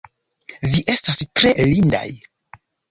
Vi estas tre lindaj!